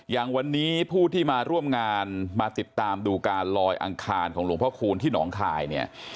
อย่างวันนี้ผู้ที่มาร่วมงานมาติดตามดูการลอยอังคารของหลวงพ่อคูณที่หนองคายเนี่ย